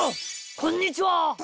こんにちは！